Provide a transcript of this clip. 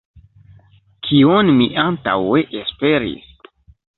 Kion mi antaŭe esperis?